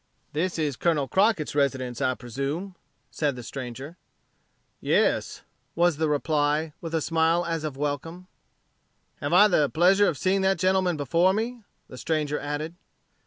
"This is Colonel Crockett's residence, I presume," said the stranger. "Yes," was the reply, with a smile as of welcome. "Have I the pleasure of seeing that gentleman before me?" the stranger added.